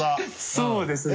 そうですね。